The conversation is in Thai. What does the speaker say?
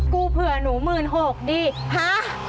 กู้เผื่อหนูหมื่นหกดีฮะ